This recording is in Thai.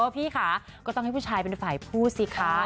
พี่ค่ะก็ต้องให้ผู้ชายเป็นฝ่ายพูดสิคะ